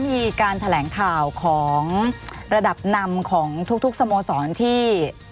มีการแถลงข่าวของระดับนำของทุกสโมสรที่